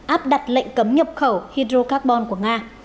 áp đặt lệnh cấm nhập khẩu hydrocarbon của nga